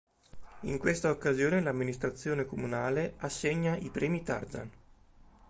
In questa occasione l'amministrazione comunale assegna i "premi Tarzan".